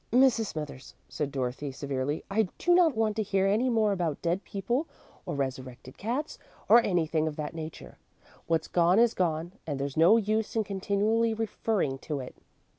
"Mrs. Smithers," said Dorothy, severely, "I do not want to hear any more about dead people, or resurrected cats, or anything of that nature. What's gone is gone, and there's no use in continually referring to it."